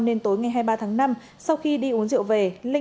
nên tối ngày hai mươi ba tháng năm sau khi đi uống rượu về linh